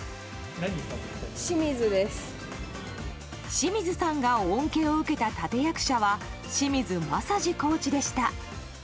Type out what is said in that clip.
清水さんが恩恵を受けた立役者は清水雅治コーチでした。